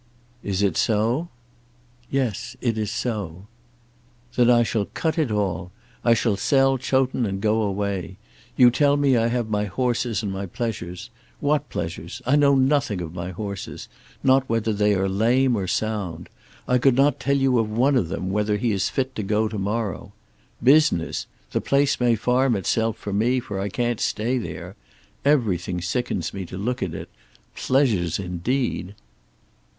"Is it so?" "Yes; it is so." "Then I shall cut it all. I shall sell Chowton and go away. You tell me I have my horses and my pleasures! What pleasures? I know nothing of my horses, not whether they are lame or sound. I could not tell you of one of them whether he is fit to go to morrow. Business! The place may farm itself for me, for I can't stay there. Everything sickens me to look at it. Pleasures indeed!"